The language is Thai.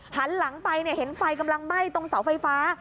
หันหลังไปเห็นไฟกำลังไหม้ตรงเสาไฟฟ้า